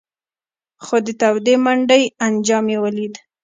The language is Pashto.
خو د تودې منډۍ انجام یې ولید.